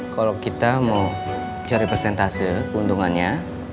kalau kita mau cari persentase keuntungannya